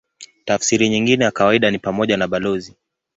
Tafsiri nyingine ya kawaida ni pamoja na balozi.